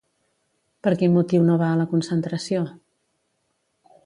Per quin motiu no va a la concentració?